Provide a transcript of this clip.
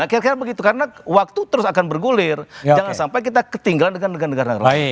kira kira begitu karena waktu terus akan bergulir jangan sampai kita ketinggalan dengan negara negara lain